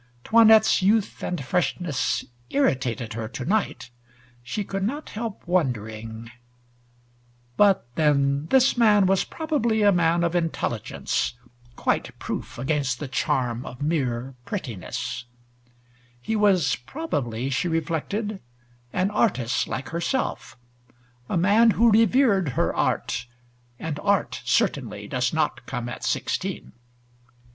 'Toinette's youth and freshness irritated her to night: She could not help wondering—but then this man was probably a man of intelligence, quite proof against the charm of mere prettinessl. He was probably, she reflected, an artist like herself, a man who revered her art, and art, certainly, does not come at sixteen.